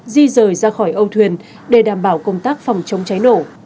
di rời ra khỏi âu thuyền để đảm bảo công tác phòng chống cháy nổ